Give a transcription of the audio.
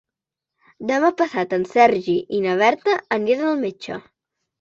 Demà passat en Sergi i na Berta aniran al metge.